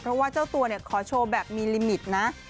เพราะว่าเจ้าตัวขอโชว์แบบมีลิมิตนะ